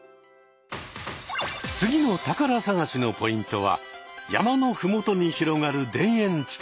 次の宝探しのポイントは山のふもとに広がる田園地帯。